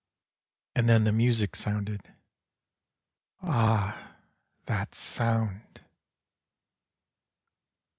And then the music sounded. Ah, that sound